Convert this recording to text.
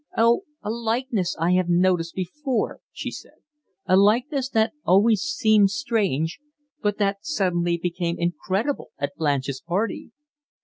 "Oh, a likeness I have noticed before," she said. "A likeness that always seemed strange, but that suddenly became incredible at Blanche's party."